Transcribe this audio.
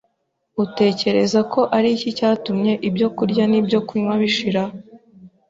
Utekereza ko ari iki cyatumye ibyo kurya n’ibyo kunywa bishira